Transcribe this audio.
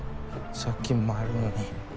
借金もあるのに。